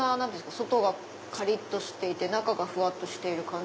外がカリっとしていて中がふわっとしている感じ。